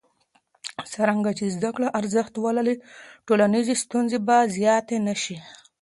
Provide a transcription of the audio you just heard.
څرنګه چې زده کړه ارزښت ولري، ټولنیزې ستونزې به زیاتې نه شي.